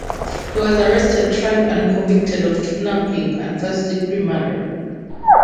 He was arrested, tried, and convicted of kidnapping and first-degree murder.